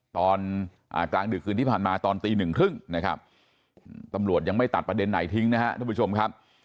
ตอนกลางดึกคืนที่ผ่านมาตอนตีหนึ่งครึ่งนะครับตำรวจยังไม่ตัดประเด็นไหนทิ้งนะครับท่านผู้ชมครับ